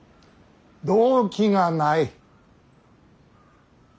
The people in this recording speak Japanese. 動機がない。